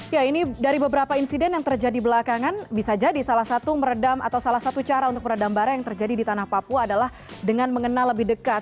ya ini dari beberapa insiden yang terjadi belakangan bisa jadi salah satu meredam atau salah satu cara untuk meredam barang yang terjadi di tanah papua adalah dengan mengenal lebih dekat